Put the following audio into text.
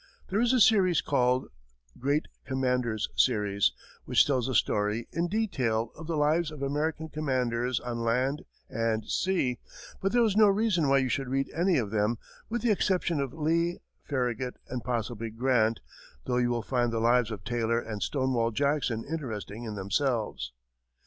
There is a series called the "Great Commanders Series," which tells the story, in detail, of the lives of American commanders on land and sea, but there is no reason why you should read any of them, with the exception of Lee, Farragut, and possibly Grant, though you will find the lives of Taylor and "Stonewall" Jackson interesting in themselves.